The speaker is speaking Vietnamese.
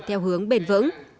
theo hướng bền vững